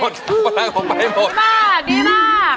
ดีมากดีมาก